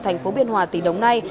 tp biên hòa tỉnh đồng nai